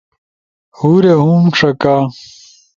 ہورے ہُم ݜکا۔